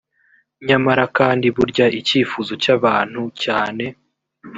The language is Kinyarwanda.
nyamara kandi burya icyifuzo cy abantu cyane